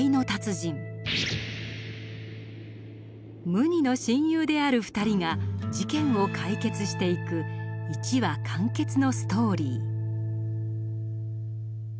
無二の親友である二人が事件を解決していく一話完結のストーリー。